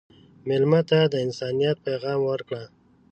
مېلمه ته د انسانیت پیغام ورکړه.